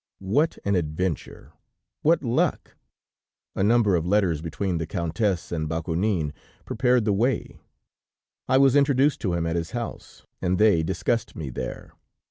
What an adventure! What luck! A number of letters between the Countess and Bakounine prepared the way; I was introduced to him at his house, and they discussed me there.